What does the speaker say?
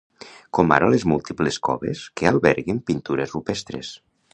com ara les múltiples coves que alberguen pintures rupestres